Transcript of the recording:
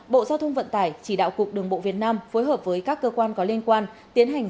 bộ giao thông vận tải chỉ đạo cục đường bộ việt nam phối hợp với các cơ quan có liên quan tiến hành